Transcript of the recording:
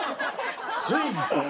はい！